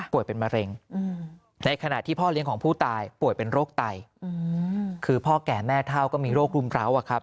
เป็นมะเร็งในขณะที่พ่อเลี้ยงของผู้ตายป่วยเป็นโรคไตคือพ่อแก่แม่เท่าก็มีโรครุมร้าวอะครับ